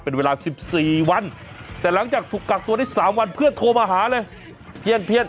เป็นเวลา๑๔วันแต่หลังจากถูกกักตัวได้๓วันเพื่อนโทรมาหาเลยเพี้ยน